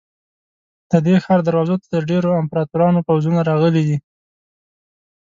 د دې ښار دروازو ته د ډېرو امپراتورانو پوځونه راغلي دي.